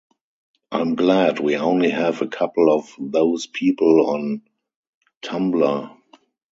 I'm glad we only have a couple of those people on Tumblr.